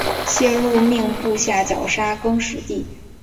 谢禄命部下绞杀更始帝。